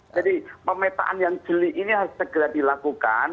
jadi pemetaan yang jeli ini harus segera dilakukan